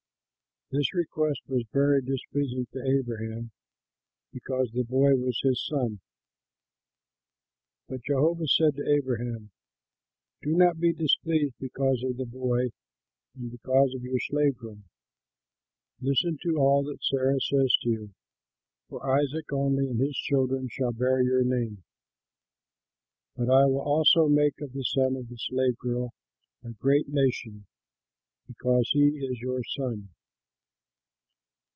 This request was very displeasing to Abraham because the boy was his son. But Jehovah said to Abraham, "Do not be displeased because of the boy and because of your slave girl. Listen to all that Sarah says to you, for Isaac only and his children shall bear your name. But I will also make of the son of the slave girl a great nation, because he is your son."